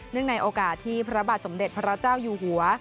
ในโอกาสที่พระบาทสมเด็จพระเจ้าอยู่หัว